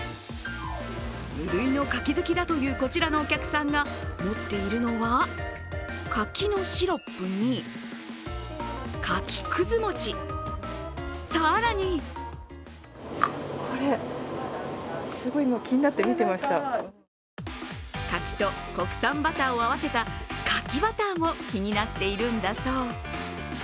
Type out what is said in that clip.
無類の柿好きだというこちらのお客さんが持っているのは柿のシロップに柿くず餅更に柿と国産バターを合わせた柿バターも気になっているんだそう。